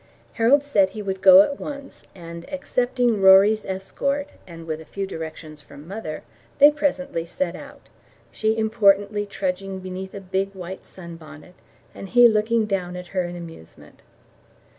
Harold said he would go at once, and accepting Rory's escort, and with a few directions from mother, they presently set out she importantly trudging beneath a big white sun bonnet, and he looking down at her in amusement.